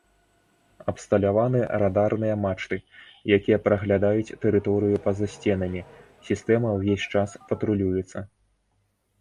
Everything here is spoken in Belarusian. Абсталяваны радарныя мачты, якія праглядаюць тэрыторыю па-за сценамі, сістэма ўвесь час патрулюецца.